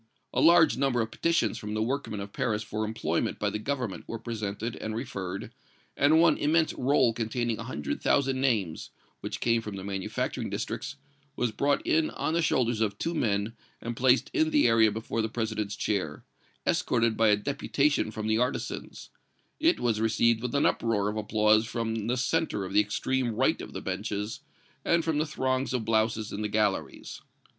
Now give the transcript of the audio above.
A large number of petitions from the workmen of Paris for employment by the Government were presented and referred, and one immense roll containing a hundred thousand names, which came from the manufacturing districts, was brought in on the shoulders of two men and placed in the area before the President's chair, escorted by a deputation from the artisans; it was received with an uproar of applause from the centre of the extreme right of the benches, and from the throngs of blouses in the galleries.